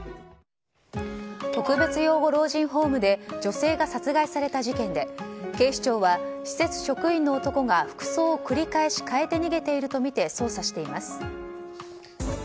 特別養護老人ホームで女性が殺害された事件で警視庁は施設職員の男が服装を繰り返し変えて逃げているとみて捜査しています。